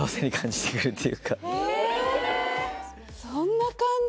そんな感じ？